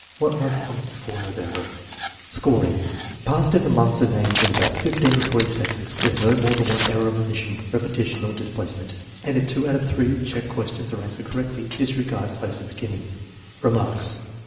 "What month comes before November? " Scoring. Passed if the months are named in about fifteen or twenty seconds with no more than one error of omission, repetition, or displacement, and if two out of the three check questions are answered correctly. Disregard place of beginning. Remarks.